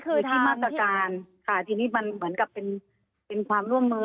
คือที่มาตรการค่ะทีนี้มันเหมือนกับเป็นความร่วมมือ